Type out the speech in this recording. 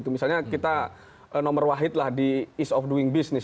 misalnya kita nomor wahid lah di ease of doing business